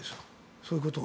そういうことを。